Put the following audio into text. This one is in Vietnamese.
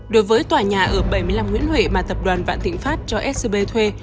đối với tòa nhà ở bảy mươi năm nguyễn huệ mà tập đoàn vạn thịnh pháp cho scb thuê